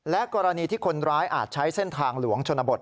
กรณีที่คนร้ายอาจใช้เส้นทางหลวงชนบท